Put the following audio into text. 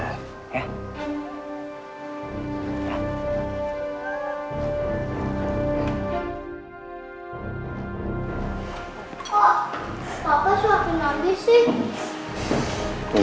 apa suatu nabi sih